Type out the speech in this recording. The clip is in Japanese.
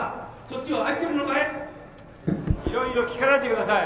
いろいろ聞かないでください。